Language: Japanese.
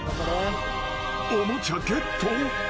［おもちゃゲット？］